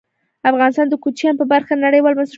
افغانستان د کوچیان په برخه کې نړیوالو بنسټونو سره کار کوي.